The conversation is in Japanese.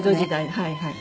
はいはい。